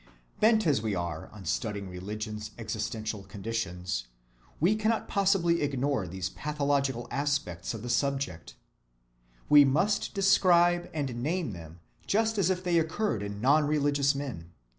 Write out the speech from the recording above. Bent as we are on studying religion's existential conditions, we cannot possibly ignore these pathological aspects of the subject. We must describe and name them just as if they occurred in non‐religious men.